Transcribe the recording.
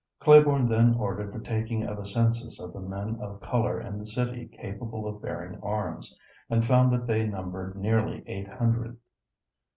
" Claiborne then ordered the taking of a census of the men of color in the city capable of bearing arms, and found that they numbered nearly eight hundred.